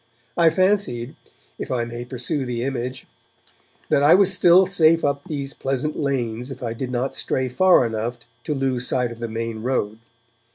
I fancied, if I may pursue the image, that I was still safe up these pleasant lanes if I did not stray far enough to lose sight of the main road.